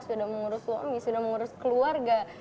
sudah mengurus suami sudah mengurus keluarga